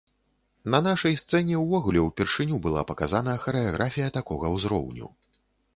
На нашай сцэне ўвогуле ўпершыню была паказана харэаграфія такога ўзроўню.